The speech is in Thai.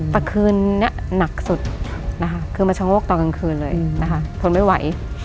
แต่คืนนี้หนักสุดนะคะคือมาชะโงกตอนกลางคืนเลยนะคะทนไม่ไหว